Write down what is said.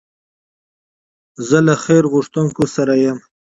زه له خیر غوښتونکو سره یم.